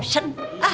ah ini orang tua nih